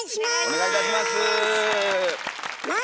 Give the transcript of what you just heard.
お願いいたします。